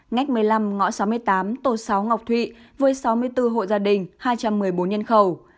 ngách một mươi năm ngõ sáu mươi tám tổ sáu ngọc thụy với sáu mươi bốn hộ gia đình hai trăm một mươi bốn nhân khẩu